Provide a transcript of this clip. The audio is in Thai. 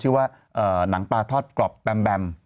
ชื่อว่าหนังปลาทอดกรอบแบม